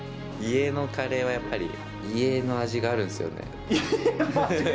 家のカレーはやっぱり、家の味があるんですよね。